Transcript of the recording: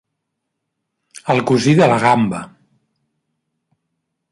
El cosí de la gamba.